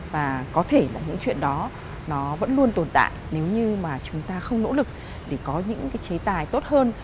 và có thể là những chuyện đó nó vẫn luôn tồn tại nếu như mà chúng ta không nỗ lực để có những cái chế tài tốt hơn